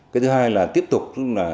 cái thứ hai là tiếp tục